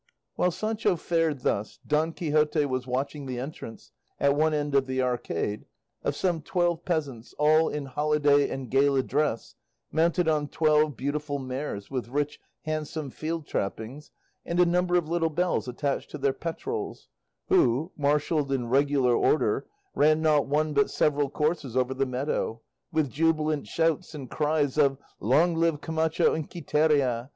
While Sancho fared thus, Don Quixote was watching the entrance, at one end of the arcade, of some twelve peasants, all in holiday and gala dress, mounted on twelve beautiful mares with rich handsome field trappings and a number of little bells attached to their petrals, who, marshalled in regular order, ran not one but several courses over the meadow, with jubilant shouts and cries of "Long live Camacho and Quiteria!